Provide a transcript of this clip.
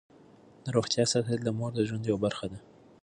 د روغتیا ساتل د مور د ژوند یوه برخه ده.